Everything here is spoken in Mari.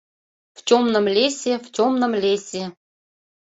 — В тёмном лесе, в тёмном лесе